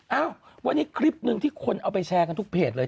เอ้าวันนี้คลิปหนึ่งที่คนเอาไปแชร์กันทุกเพจเลย